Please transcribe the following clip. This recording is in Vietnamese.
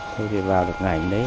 thôi thì vào được ngành đấy